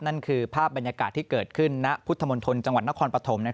นั่นคือภาพบรรยากาศที่เกิดขึ้นณพุทธมณฑลจังหวัดนครปฐม